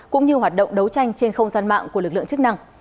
cũng như hoạt động đấu tranh trên không gian mạng của lực lượng chức năng